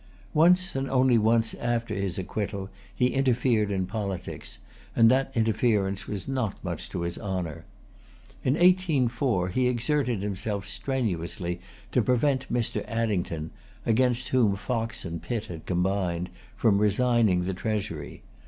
Once, and only once, after his acquittal, he interfered in politics; and that interference was not much to his honor. In 1804 he exerted himself strenuously to prevent Mr. Addington, against whom Fox and Pitt had combined, from resigning the Treasury.